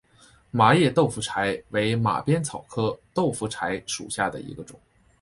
麻叶豆腐柴为马鞭草科豆腐柴属下的一个种。